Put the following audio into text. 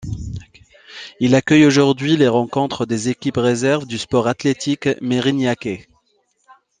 Il accueille aujourd'hui les rencontres des équipes réserves du Sport Athlétique Mérignacais.